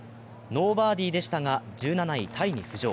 ノーバーディーでしたが１７位タイに浮上。